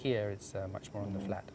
berapa banyak pekerjaan sekarang di upc